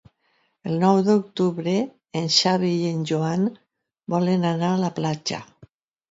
El nou d'octubre en Xavi i en Joan volen anar a la platja.